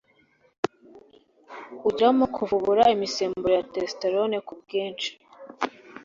ugiramo kuvubura imisemburo ya testosterone ku bwinshi.